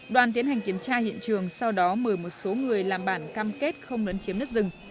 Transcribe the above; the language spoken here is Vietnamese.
đoàn tiến hành kiểm tra hiện trường sau đó mời một số người làm bản cam kết không lấn chiếm đất rừng